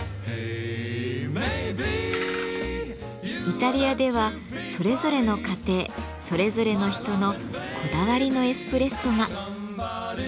イタリアではそれぞれの家庭それぞれの人のこだわりのエスプレッソが。